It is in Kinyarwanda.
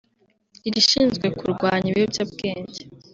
irishinzwe kurwanya ibiyobyabwenge